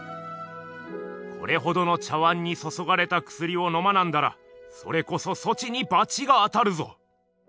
「これほどの茶碗にそそがれたくすりをのまなんだらそれこそそちにばちが当たるぞ」。